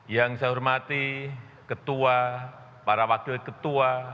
yang saya hormati ketua para wakil ketua